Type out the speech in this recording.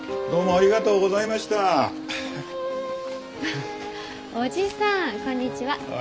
あっおじさんこんにちは。